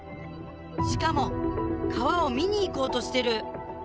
しかも川を見に行こうとしてる。